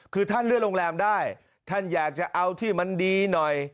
คือท่านเลื่อนโรงแรมได้ท่านอยากจะเอาที่มันดีหน่อย